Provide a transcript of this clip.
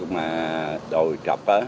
mà đầu trọc